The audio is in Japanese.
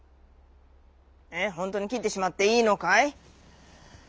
ほんとうにきってしまっていいのかい？」。